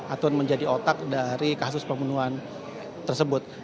atau menjadi otak dari kasus pembunuhan tersebut